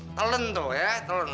telan tuh ya telan